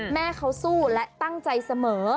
แม่เขาสู้และตั้งใจเสมอ